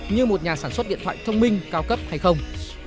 như một nhà sản xuất điện thoại thông minh cao cấp hay không